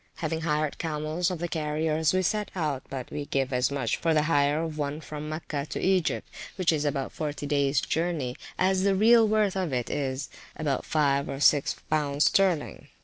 Having hired camels of the carriers, we set out, but we give as much for the hire of one from Mecca to Egypt, which is about forty days journey, as the real worth of it is, (viz.) about five or six pounds sterling.